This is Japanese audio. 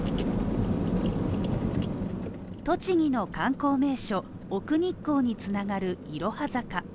栃木の観光名所、奥日光に繋がるいろは坂